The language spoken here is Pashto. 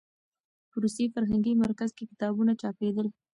په روسي فرهنګي مرکز کې کتابونه چاپېدل.